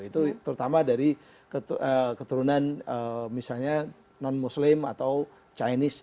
itu terutama dari keturunan misalnya non muslim atau chinese